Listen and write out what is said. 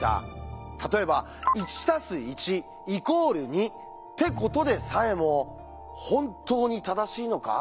例えば「１＋１＝２」ってことでさえも「本当に正しいのか？」